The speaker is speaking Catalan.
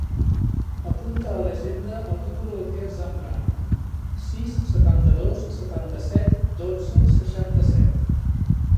Apunta a l'agenda el número del Quer Zambrano: sis, setanta-dos, setanta-set, dotze, seixanta-set.